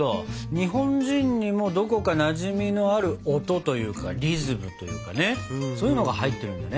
日本人にもどこかなじみのある音というかリズムというかねそういうのが入ってるんだね。